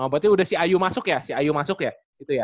oh berarti udah si ayu masuk ya si ayu masuk ya itu ya